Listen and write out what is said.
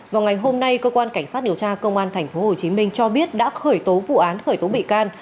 vào ngày hôm nay cơ quan cảnh sát điều tra công an tp hcm cho biết đã khởi tố vụ án khởi tố bị can